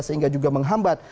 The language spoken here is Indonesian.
sehingga juga menghambat